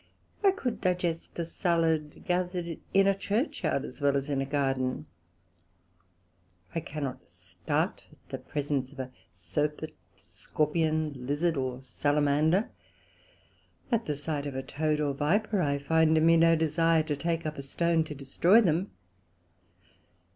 I could digest a Sallad gathered in a Churchyard, as well as in a Garden. I cannot start at the presence of a Serpent, Scorpion, Lizard, or Salamander: at the sight of a Toad or Viper, I find in me no desire to take up a stone to destroy them.